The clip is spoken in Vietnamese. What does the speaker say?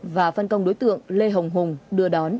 và phân công đối tượng lê hồng hùng đưa đón